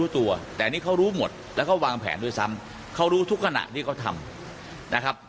ที่เขารู้หมดและเขาวางแผนด้วยซ้ำเขารู้ทุกขณะที่เขาทำนะครับ